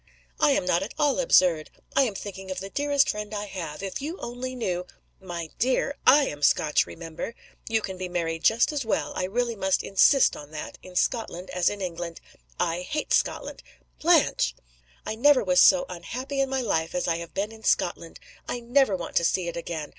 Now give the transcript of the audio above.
"I am not at all absurd. I am thinking of the dearest friend I have. If you only knew " "My dear! I am Scotch, remember! You can be married just as well I really must insist on that in Scotland as in England." "I hate Scotland!" "Blanche!" "I never was so unhappy in my life as I have been in Scotland. I never want to see it again.